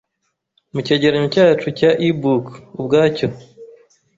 mu cyegeranyo cyacu cya eBook ubwacyo